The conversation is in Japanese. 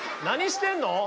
何してんの？